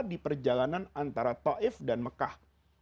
di perjalanan antara taif ⁇ dan mekah